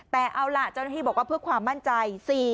แต่เอาล่ะเจ้าหน้าที่บอกว่าเพื่อความมั่นใจ